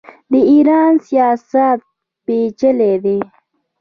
د ایران سیاست پیچلی دی.